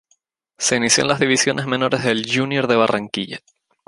Se inició en las divisiones menores del Junior de Barranquilla.